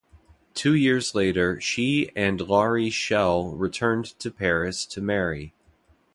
Two years later she and Laury Schell returned to Paris to marry.